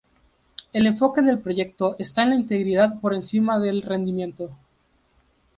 El enfoque del proyecto está en la integridad por encima del rendimiento.